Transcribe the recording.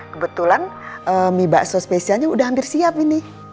kebetulan mie bakso spesialnya udah hampir siap ini